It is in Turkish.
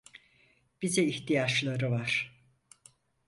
Bize ihtiyaçları var.